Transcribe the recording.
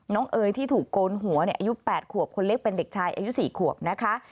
เอ๋ยที่ถูกโกนหัวอายุ๘ขวบคนเล็กเป็นเด็กชายอายุ๔ขวบนะคะ